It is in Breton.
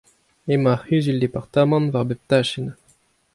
Emañ ar Cʼhuzul-departamant war bep tachenn !